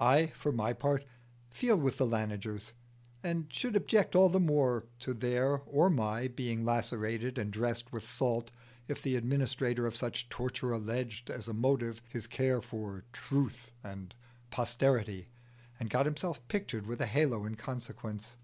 I for my part feel with the Lanigers, and should object all the more to their or my being lacerated and dressed with salt, if the administrator of such torture alleged as a motive his care for Truth and posterity, and got himself pictured with a halo in consequence.